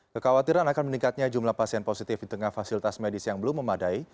kekhawatiran akan meningkatnya jumlah pasien positif di tengah fasilitas medis yang belum memadai